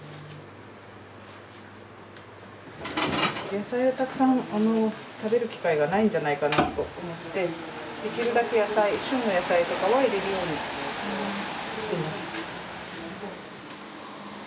野菜をたくさん食べる機会がないんじゃないかなと思ってできるだけ野菜旬の野菜とかは入れるようにしています。